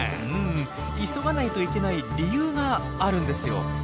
うん急がないといけない理由があるんですよ。